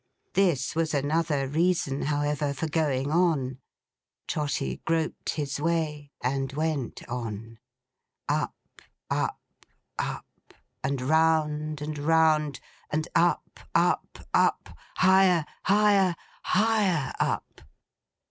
This was another reason, however, for going on. Trotty groped his way, and went on. Up, up, up, and round, and round; and up, up, up; higher, higher, higher up!